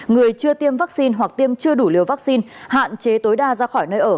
người chưa tiêm vaccine hoặc tiêm chưa đủ liều vaccine hạn chế tối đa ra khỏi nơi ở